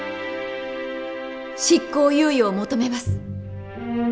執行猶予を求めます。